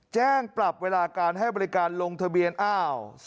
แจ้งปรับเวลาการให้บริการลงทะเบียนอ้าว